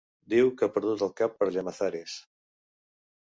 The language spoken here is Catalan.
Diu que ha perdut el cap per Llamazares.